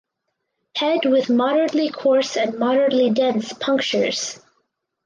Head with moderately coarse and moderately dense punctures.